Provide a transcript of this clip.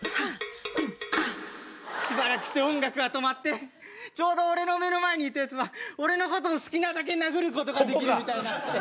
しばらくして音楽が止まってちょうど俺の目の前にいたヤツは俺の事を好きなだけ殴る事ができるみたいな。